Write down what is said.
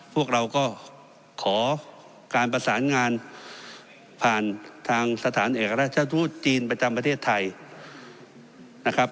พวกเราก็ขอการประสานงานผ่านทางสถานเอกราชทูตจีนประจำประเทศไทยนะครับ